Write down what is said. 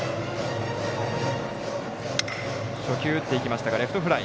初球、打っていきましたがレフトフライ。